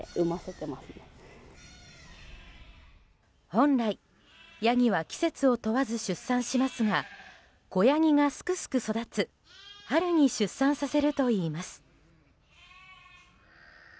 本来、ヤギは季節を問わず出産しますが子ヤギがすくすく育つ春に出産させるといいます。